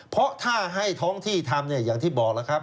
เพราะถ้าให้ท้องที่ทำเนี่ยอย่างที่บอกแล้วครับ